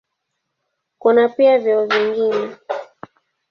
Kuna pia vyeo vingine.